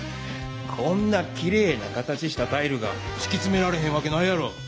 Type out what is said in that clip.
こんなきれいな形したタイルがしきつめられへんわけないやろ！